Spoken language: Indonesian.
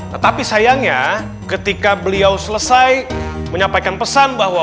nah tapi sayangnya ketika beliau selesai menyampaikan pesan bahwa